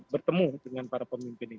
bertemu dengan para pemimpin ini